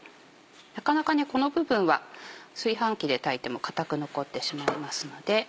なかなかこの部分は炊飯器で炊いても硬く残ってしまいますので。